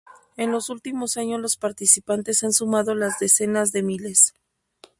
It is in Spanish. En los últimos años los participantes han sumado las decenas de miles.